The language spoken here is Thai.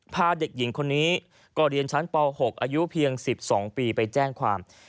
พาเด็กหญิงคนนี้ก็เรียนชั้นป๖อายุเพียง๑๒ปีไปแจ้งความ